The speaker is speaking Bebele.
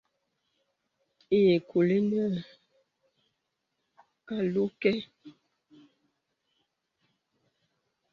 Ìì kùlì nə̀ àlū kɛ̄.